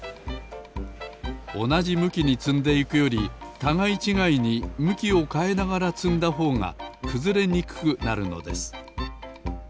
おなじむきにつんでいくよりたがいちがいにむきをかえながらつんだほうがくずれにくくなるのです。